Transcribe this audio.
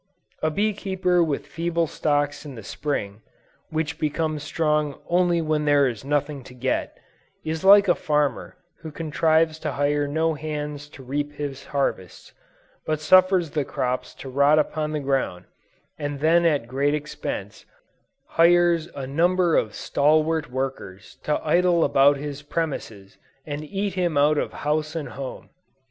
A bee keeper with feeble stocks in the Spring, which become strong only when there is nothing to get, is like a farmer who contrives to hire no hands to reap his harvests, but suffers the crops to rot upon the ground, and then at great expense, hires a number of stalworth laborers to idle about his premises and eat him out of house and home!